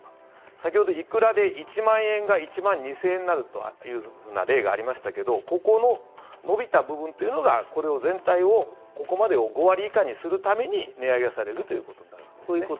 先ほど、イクラで１万円が１万２０００円になるという例がありましたけどここの伸びた部分というのがこれを全体を、ここまでを５割以下にするために値上げがされるということになりますね。